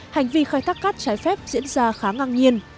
hành vi khai thác cát trái phép diễn ra khá ngang nhiên